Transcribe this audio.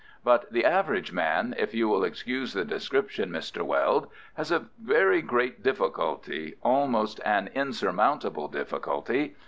But the average man—if you will excuse the description, Mr. Weld—has a very great difficulty, almost an insurmountable difficulty.